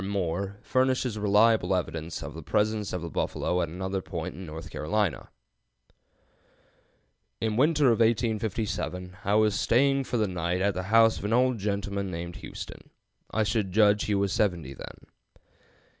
Moore, furnishes reliable evidence of the presence of the buffalo at another point in North Carolina: "In the winter of 1857 I was staying for the night at the house of an old gentleman named Houston. I should judge he was seventy then.